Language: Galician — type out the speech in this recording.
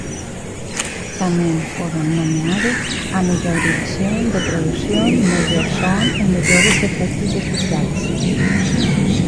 Tamén foron nomeados á mellor dirección de produción, mellor son e mellores efectos especiais.